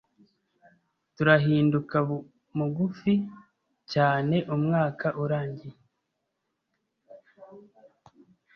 Turahinduka mugufi cyane umwaka urangiye.